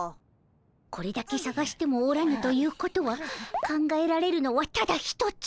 これだけ探してもおらぬということは考えられるのはただ一つ。